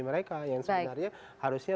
mereka yang sebenarnya harusnya